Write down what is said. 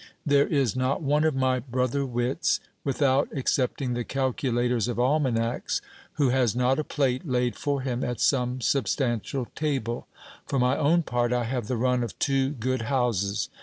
There is not one of my brother wits, without excepting the calculators of almanacs, who has not a plate laid for him at some substantial table : for my own part, I have the run of two good houses.